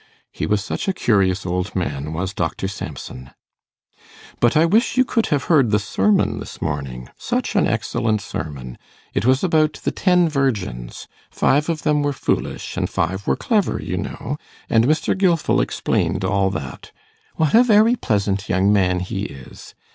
He was such a curious old man, was Dr Samson. But I wish you could have heard the sermon this morning. Such an excellent sermon! It was about the ten virgins: five of them were foolish, and five were clever, you know; and Mr. Gilfil explained all that. What a very pleasant young man he is!